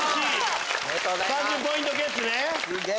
３０ポイントゲッツね。